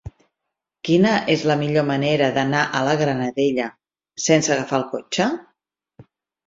Quina és la millor manera d'anar a la Granadella sense agafar el cotxe?